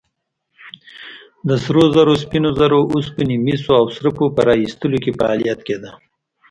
د سرو زرو، سپینو زرو، اوسپنې، مسو او سربو په راویستلو کې فعالیت کېده.